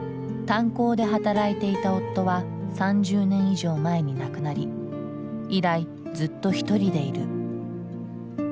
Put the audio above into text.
炭鉱で働いていた夫は３０年以上前に亡くなり以来ずっと一人でいる。